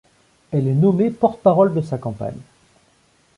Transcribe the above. Elle est nommée porte-parole de sa campagne.